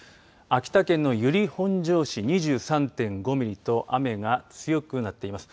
秋田県の由利本荘市２３．５ミリと雨が強くなっています。